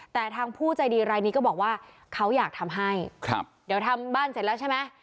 แต่ทางผู้ใจดีรายนี้ก็บอกว่าเขาอยากทำให้ครับเดี๋ยวทำบ้านเสร็จแล้วใช่ไหม